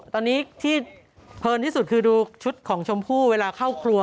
ตอนนี้ที่เพลินที่สุดคือดูชุดของชมพู่เวลาเข้าครัว